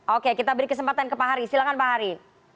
oke kita beri kesempatan ke pak hari silahkan pak hari